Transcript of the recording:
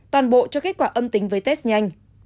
toàn bộ cho kết quả âm tính với test nhanh